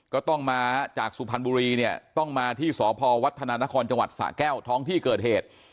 ก็ต้องมาจากสุพรรณบุรีเนี่ยต้องมาที่สพวัฒนานครจังหวัดสะแก้วท้องที่เกิดเหตุ